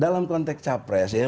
dalam konteks capres ya